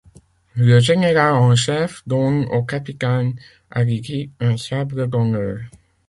Le général en chef donne au capitaine Arrighi un sabre d'honneur.